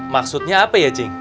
maksudnya apa ya cing